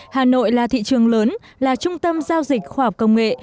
hà nội là thị trường lớn là trung tâm giao dịch khoa học công nghệ